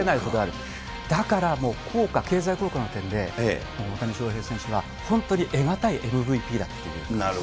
だから効果、経済効果の点で、もう大谷翔平選手は本当に得難いＭＶＰだというですね。